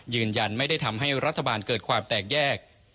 ยืนยันไม่ได้ทำให้รัฐบาลเกิดความแตกแยก